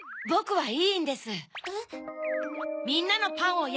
はい。